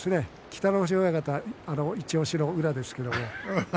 北の富士親方イチおしの宇良ですけれど。